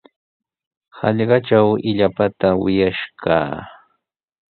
Hallqatraw illapata wiyash kaa.